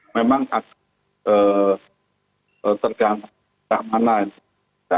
memang tergantung kemana